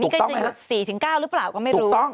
นี่ก็จะหยุด๔๙หรือเปล่าก็ไม่รู้